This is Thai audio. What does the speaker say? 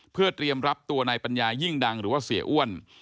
เพื่อเตรียมรับตัวนายปัญญายิ่งดังหรือว่าเสียอ้วน